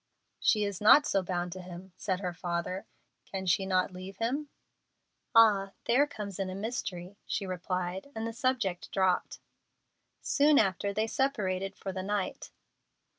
"She is not so bound to him," said her father; "can she not leave him?" "Ah! there comes in a mystery," she replied, and the subject dropped. Soon after, they separated for the night.